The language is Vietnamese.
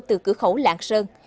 từ cửa khẩu lạng sơn